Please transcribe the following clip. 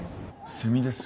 セミです。